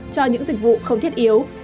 cho những dịch vụ không thiết yếu